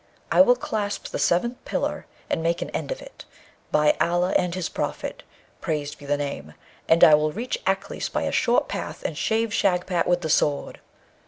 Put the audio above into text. I will clasp the Seventh Pillar and make an end of it, by Allah and his Prophet (praised be the name!), and I will reach Aklis by a short path and shave Shagpat with the sword.'